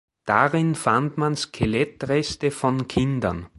Darin fand man Skelettreste von Kindern.